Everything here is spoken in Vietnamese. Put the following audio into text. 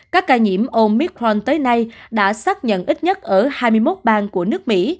các ca nhiễm omicron tới nay đã xác nhận ít nhất ở hai mươi một bang của nước mỹ